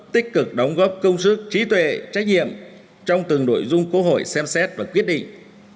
tích cực đóng góp công sức trí tuệ trách nhiệm trong từng nội dung quốc hội xem xét và quyết định